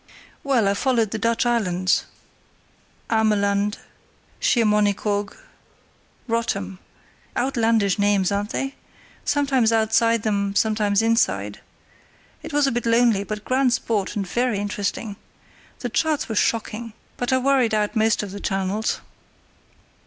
"Well, I followed the Dutch islands, Ameland, Schiermonnikoog, Rottum (outlandish names, aren't they?), sometimes outside them, sometimes inside. It was a bit lonely, but grand sport and very interesting. The charts were shocking, but I worried out most of the channels."